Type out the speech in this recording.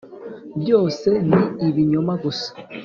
byose ni ibinyoma, gusa